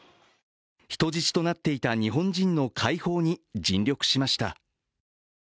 人質となっていた日本人の解放に尽力しました。